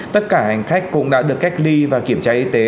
tất cả hành khách cũng đã được cách ly và kiểm tra y tế